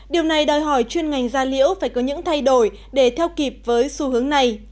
điều này đòi hỏi chuyên ngành gia liễu phải có những thay đổi để theo kịp với xu hướng này